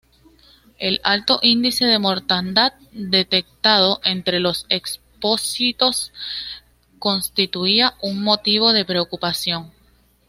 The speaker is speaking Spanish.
El alto índice de mortandad detectado entre los expósitos constituía un motivo de preocupación.